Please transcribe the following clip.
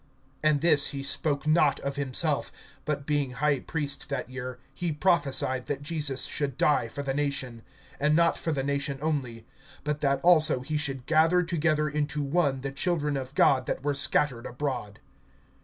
(51)And this he spoke not of himself; but being high priest that year, he prophesied that Jesus should die for the nation; (52)and not for the nation only, but that also he should gather together into one the children of God that were scattered abroad.